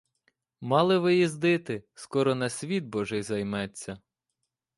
Мали виїздити, — скоро на світ божий займеться.